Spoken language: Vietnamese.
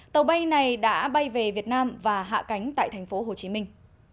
tàu bay này đã bay về việt nam và hạ cánh tại thành phố hồ chí minh